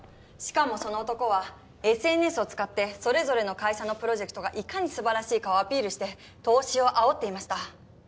しかもその男はＳＮＳを使ってそれぞれの会社のプロジェクトがいかにすばらしいかをアピールして投資をあおっていました。